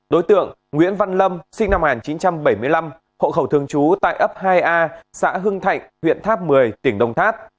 đối tượng nguyễn văn lâm sinh năm một nghìn chín trăm bảy mươi năm hộ khẩu thường trú tại ấp hai a xã hưng thạnh huyện tháp một mươi tỉnh đồng tháp